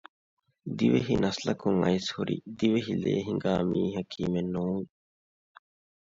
ދިވެހި ނަސްލަކުން އައިސްހުރި ދިވެހި ލޭހިނގާ މީހަކީމެއް ނޫން